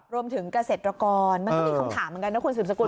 รวมถึงเกษตรกรมันก็มีคำถามเหมือนกันนะคุณสืบสกุ